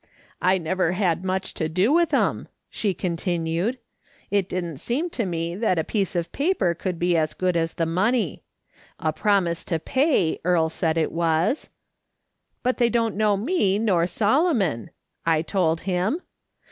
" I never had much to do with 'em," she continued. "It didn't seem to me that a piece of paper could be as good as the money. A promise to pay, Earle said it was. ' ]jut they don't know me, nor Solomon,' I told him.